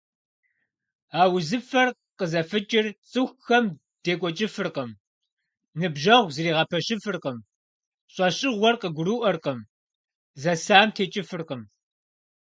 А узыфэр къызэфыкӏыр цӀыхухэм декӀуэкӀыфыркъым, ныбжьэгъу зэрагъэпэщыфыркъым, щӀэщыгъуэр къагурыӀуэркъым, зэсам текӀыфыркъым.